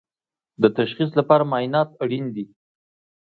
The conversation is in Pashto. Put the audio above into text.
د تشخیص لپاره معاینات اړین دي